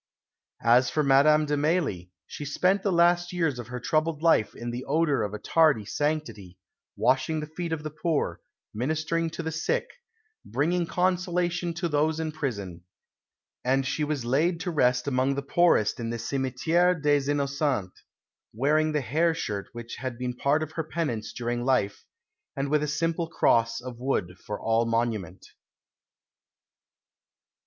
As for Madame de Mailly, she spent the last years of her troubled life in the odour of a tardy sanctity washing the feet of the poor, ministering to the sick, bringing consolation to those in prison; and she was laid to rest amongst the poorest in the Cimetière des Innocents, wearing the hair shirt which had been part of her penance during life, and with a simple cross of wood for all monument.